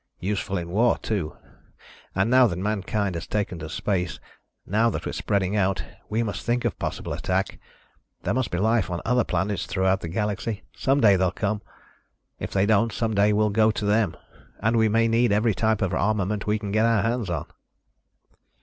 "Useful in war, too, and now that mankind has taken to space, now that we're spreading out, we must think of possible attack. There must be life on other planets throughout the Galaxy. Someday they'll come. If they don't, someday we'll go to them. And we may need every type of armament we can get our hands on."